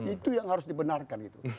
itu yang harus dibenarkan gitu